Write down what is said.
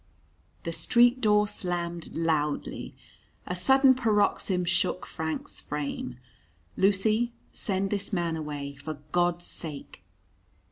The street door slammed loudly. A sudden paroxysm shook Frank's frame. "Lucy, send this man away for God's sake."